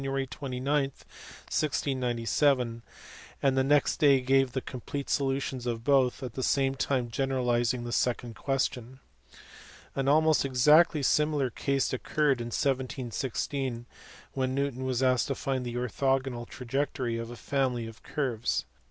29, 1697, and the next day gave the complete solutions of both, at the same time generalizing the second question. An almost exactly similar case occurred in 1716 when Newton was asked to find the orthogonal trajectory of a family of curves.